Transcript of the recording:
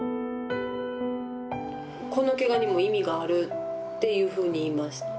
「このケガにも意味がある」っていうふうに言いました。